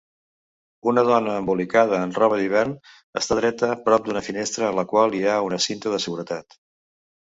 Una dona embolicada en roba d'hivern està dreta prop d'una finestra en la qual hi ha una cinta de seguretat